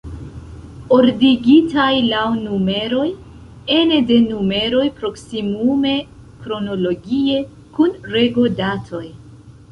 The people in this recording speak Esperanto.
Ordigitaj laŭ numeroj; ene de numeroj proksimume kronologie; kun rego-datoj.